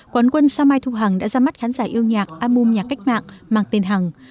quán quân sao mai thu hằng đã ra mắt khán giả yêu nhạc album nhà cách mạng mang tên hằng